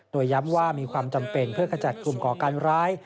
โดยย้ำว่ามีความจำเป็นเพื่อขจัดกลุ่มก่อการร้าย